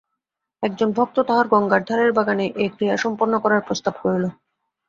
একজন ভক্ত তাহার গঙ্গার ধারের বাগানে এই ক্রিয়া সম্পন্ন করার প্রস্তাব করিল।